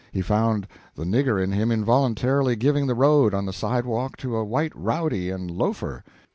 He found the "nigger" in him involuntarily giving the road, on the sidewalk, to a white rowdy and loafer.